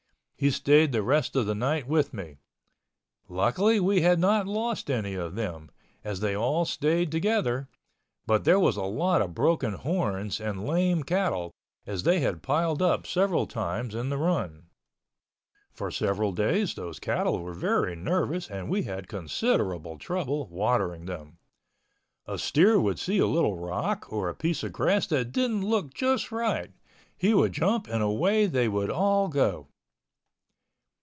He stayed the rest of the night with me. Luckily we had not lost any of them, as they all stayed together, but there was a lot of broken horns and lame cattle, as they had piled up several times in the run. For several days those cattle were very nervous and we had considerable trouble watering them. A steer would see a little rock or a piece of grass that didn't look just right—he would jump and away they would all go.